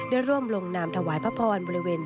ได้ร่วมลงนามถวายพระพรบริเวณ